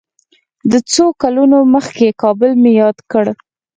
د څو کلونو مخکې کابل مې یاد کړ.